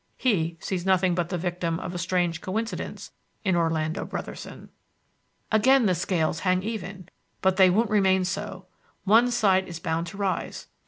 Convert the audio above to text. He sees nothing but the victim of a strange coincidence in Orlando Brotherson." "Again the scales hang even. But they won't remain so. One side is bound to rise.